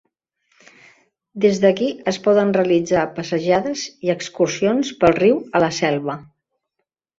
Des d'aquí es poden realitzar passejades i excursions pel riu a la selva.